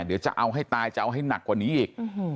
เดี๋ยวจะเอาให้ตายจะเอาให้หนักกว่านี้อีก